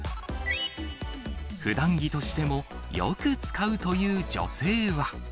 ふだん着としてもよく使うという女性は。